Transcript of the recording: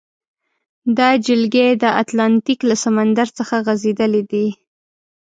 دا جلګې د اتلانتیک له سمندر څخه غزیدلې دي.